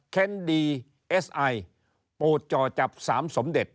เค้นดีเอสไอปูดจ่อจับ๓สมเด็จ